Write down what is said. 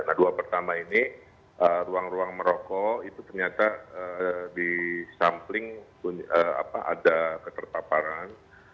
nah dua pertama ini ruang ruang merokok itu ternyata di sampling ada ketertaparan